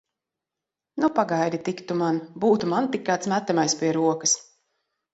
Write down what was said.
Nu, pagaidi tik tu man! Būtu man tik kāds metamais pie rokas!